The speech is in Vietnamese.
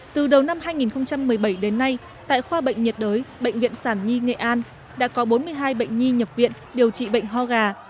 từ đầu năm hai nghìn một mươi bảy đến nay tại khoa bệnh nhiệt đới bệnh viện sản nhi nghệ an đã có bốn mươi hai bệnh nhi nhập viện điều trị bệnh ho gà